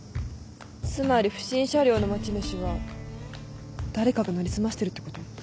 つまり不審車両の持ち主は誰かが成り済ましてるってこと？